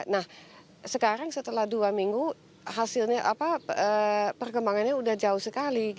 nah sekarang setelah dua minggu hasilnya perkembangannya sudah jauh sekali